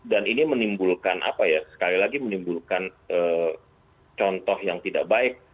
dan ini menimbulkan apa ya sekali lagi menimbulkan contoh yang tidak baik